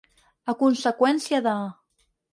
A conseqüència de.